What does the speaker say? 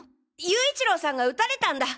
勇一郎さんが撃たれたんだ！